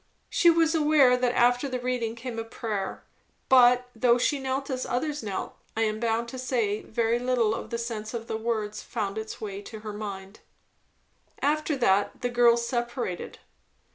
She was aware that after the reading came a prayer; but though she knelt as others knelt, I am bound to say very little of the sense of the words found its way to her mind. After that the girls separated.